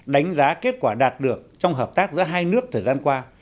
đánh giá kết quả đạt được trong hợp tác giữa hai nước thời gian qua